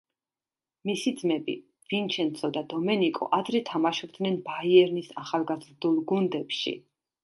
მისი ძმები, ვინჩენცო და დომენიკო ადრე თამაშობდნენ „ბაიერნის“ ახალგაზრდულ გუნდებში.